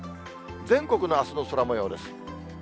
全国のあすの空もようです。